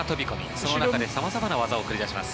その中で様々な技を繰り出します。